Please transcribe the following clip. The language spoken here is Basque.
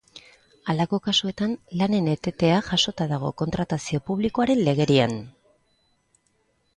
Halako kasuetan, lanen etetea jasota dago kontratazio publikoaren legerian.